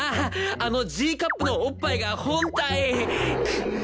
あのＧカップのおっぱいが本体。